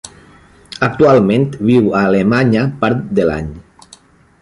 Actualment viu a Alemanya part de l'any.